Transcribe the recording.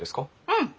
うん。